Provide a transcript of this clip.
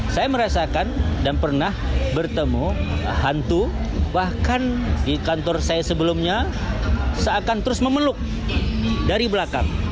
saya merasakan dan pernah bertemu hantu bahkan di kantor saya sebelumnya seakan terus memeluk dari belakang